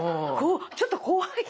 ちょっと怖い。